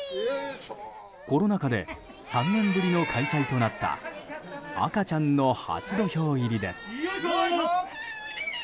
コロナ禍で３年ぶりの開催となった赤ちゃんの初土俵入りです。